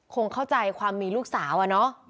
คงเข้าใจความมีลูกสาวอะเนาะ